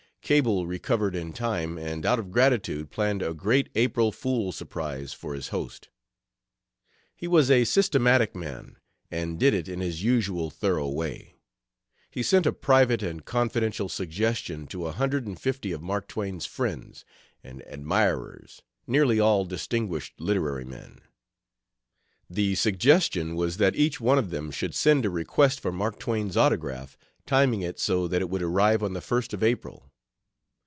Cable recovered in time, and out of gratitude planned a great April fool surprise for his host. He was a systematic man, and did it in his usual thorough way. He sent a "private and confidential" suggestion to a hundred and fifty of Mark Twain's friends and admirers, nearly all distinguished literary men. The suggestion was that each one of them should send a request for Mark Twain's autograph, timing it so that it would arrive on the 1st of April.